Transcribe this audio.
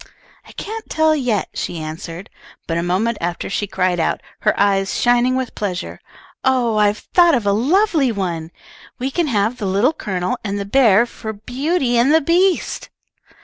"I can't tell yet," she answered, but a moment after she cried out, her eyes shining with pleasure, "Oh, I've thought of a lovely one. We can have the Little Colonel and the bear for 'Beauty and the Beast.'"